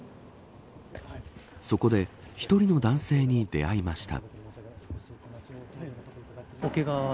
そこで１人の男性に出会いました。